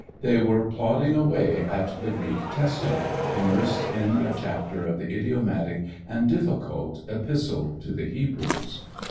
They were plodding away at the Greek Testament, immersed in a chapter of the idiomatic and difficult Epistle to the Hebrews.